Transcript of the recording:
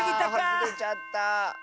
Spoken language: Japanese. はずれちゃった！